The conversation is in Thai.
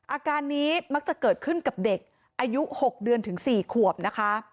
อาการนี้มักจะเกิดขึ้นกับเด็กอายุ๖เดือนถึง๔ขวบนะคะ